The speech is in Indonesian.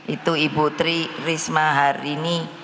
itu ibutri risma hari ni